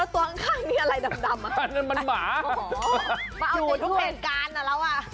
ตัวข้างนี่อะไรดำอ่ะอันนั้นมันหมาอ๋อมาดูทุกเหตุการณ์อ่ะแล้วอ่ะ